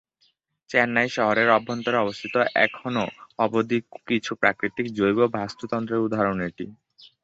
চেন্নাই শহরের অভ্যন্তরে অবস্থিত এখনো অবধি কিছু প্রাকৃতিক জৈব বাস্তুতন্ত্রের উদাহরণ এটি।